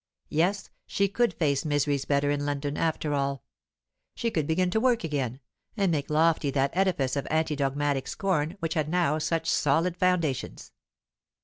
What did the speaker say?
Yes, she could face miseries better in London, after all. She could begin to work again, and make lofty that edifice of anti dogmatic scorn which had now such solid foundations.